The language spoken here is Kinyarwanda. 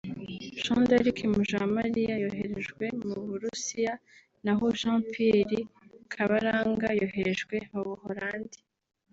Jeanne D’arc Mujawamaliya yoherejwe mu Burusiya naho Jean Pierre Kabaranga yoherejwe mu Buholandi